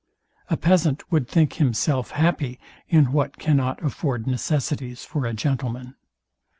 A peasant would think himself happy in what cannot afford necessaries for a gentleman.